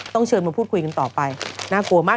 เชิญมาพูดคุยกันต่อไปน่ากลัวมาก